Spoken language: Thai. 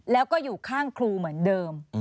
แล้วก็อยู่ข้างครูเหมือนเดิม